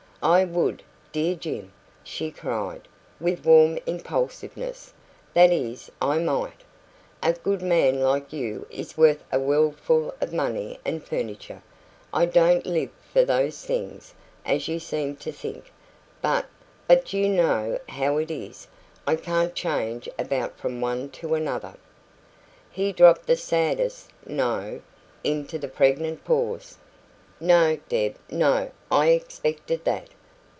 "I would, dear Jim!" she cried, with warm impulsiveness; "that is, I might. A good man like you is worth a worldful of money and furniture. I don't live for those things, as you seem to think; but but you know how it is I can't change about from one to another " He dropped the saddest "No" into the pregnant pause. "No, Deb no; I expected that.